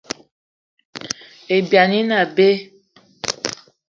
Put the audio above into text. Ibyani ine abe.